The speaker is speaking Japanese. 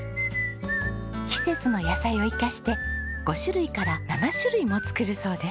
季節の野菜を生かして５種類から７種類も作るそうです。